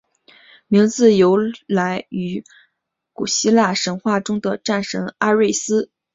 名字由来于古希腊神话中的战神阿瑞斯。